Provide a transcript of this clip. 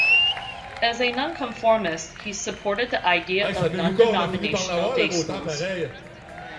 As a non-conformist he supported the idea of non-denominational day schools.